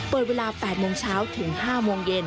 เปิดเวลา๘โมงเช้าถึง๕โมงเย็น